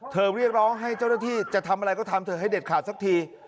เรียกร้องให้เจ้าหน้าที่จะทำอะไรก็ทำเธอให้เด็ดขาดสักที